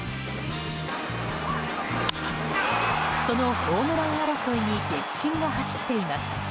そのホームラン争いに激震が走っています。